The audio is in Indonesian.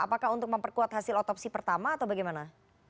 apakah untuk memperkuat hasil otopsi pertama atau bagaimana